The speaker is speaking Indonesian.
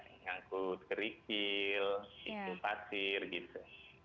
yang ngangkut kerikil pasir gitu